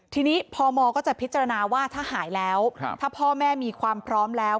ทีนี้พมก็จะพิจารณาว่าถ้าหายแล้วถ้าพ่อแม่มีความพร้อมแล้ว